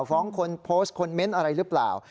ฟ้องคนโพสต์คนเม้นต์อะไรหรือเปล่า